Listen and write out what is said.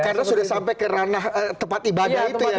karena sudah sampai ke ranah tempat ibadah itu ya